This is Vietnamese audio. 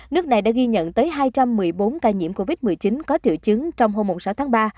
nước này đã ghi nhận tới hai trăm một mươi bốn ca nhiễm covid một mươi chín có triệu chứng trong hôm sáu tháng ba